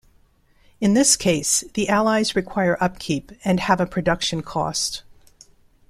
In this case, the allies require upkeep and have a production cost.